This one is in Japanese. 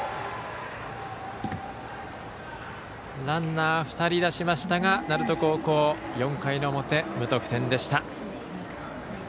ランナー２人出しましたが鳴門高校、４回の表無得点でした。